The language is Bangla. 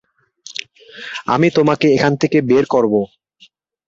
আমি তোমাকে এখান থেকে বের করব।